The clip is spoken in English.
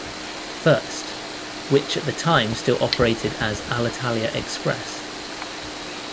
First, which at that time still operated as Alitalia Express.